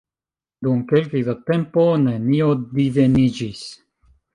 Dum kelke da tempo nenio diveniĝis.